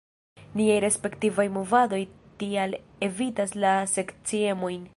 Niaj respektivaj movadoj tial evitas la sekciemojn.